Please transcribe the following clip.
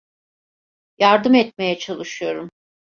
Yardım etmeye çalışıyorum.